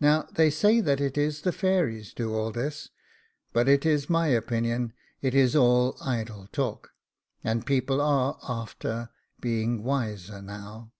Now they say that it is the fairies do all this; but it is my opinion it is all idle talk, and people are after being wiser now.